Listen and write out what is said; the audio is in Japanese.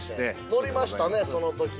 乗りましたね、そのとき。